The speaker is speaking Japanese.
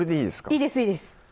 いいですいいです